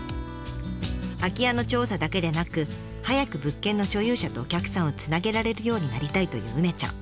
空き家の調査だけでなく早く物件の所有者とお客さんをつなげられるようになりたいという梅ちゃん。